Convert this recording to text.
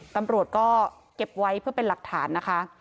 ตำรวจก็เก็บไว้เพื่อเป็นหลักฐานนะคะ